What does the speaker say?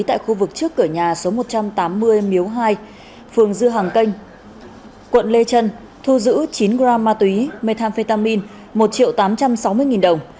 tại khu vực trước cửa nhà số một trăm tám mươi miếu hai phường dư hàng canh quận lê trân thu giữ chín gram ma túy methamphetamine một triệu tám trăm sáu mươi đồng